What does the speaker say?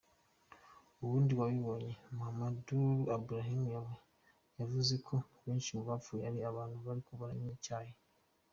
Uwundi yabibonye, Mohamednur Abdirahman, yavuze ko: "Benshi mu bapfuye ari abantu bariko baranywa icayi".